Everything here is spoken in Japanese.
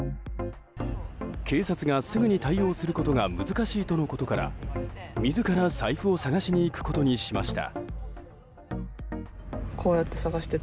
警察がすぐに対応することが難しいとのことから自ら財布を探しに行くことにしました。